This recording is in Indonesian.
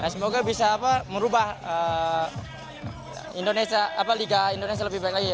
semoga bisa apa merubah indonesia apa liga indonesia lebih baik lagi ya